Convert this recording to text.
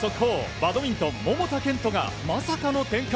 バドミントン桃田賢斗がまさかの展開。